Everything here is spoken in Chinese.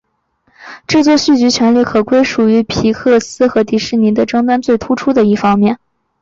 制作续集权利的归属可能是皮克斯与迪士尼的争端最突出的一个方面。